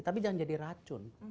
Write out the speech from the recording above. tapi jangan jadi racun